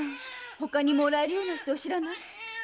ほかにもらえるような人知らない？